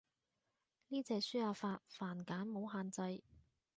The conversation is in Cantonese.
呢隻輸入法繁簡冇限制